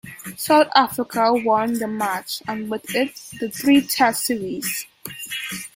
South Africa won the match, and with it the three-Test series.